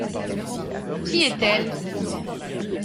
Qui est-elle ?